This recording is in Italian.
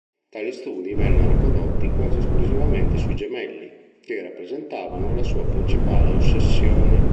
Tali studi vennero condotti quasi esclusivamente sui gemelli, che rappresentavano la sua principale ossessione.